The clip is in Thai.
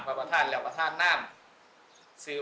พระพุทธพิบูรณ์ท่านาภิรม